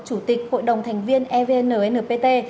chủ tịch hội đồng thành viên evnnpt